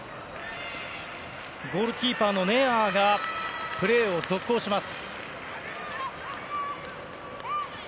ゴールキーパーのネアーがプレーを続行します。